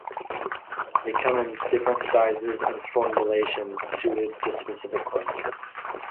They come in different sizes and formulations suited to specific crops.